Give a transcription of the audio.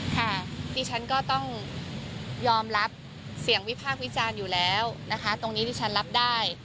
ค่ะดิฉันก็ต้องยอมรับเสียงวิพากษ์วิจารณ์อยู่แล้วนะคะตรงนี้ที่ฉันรับได้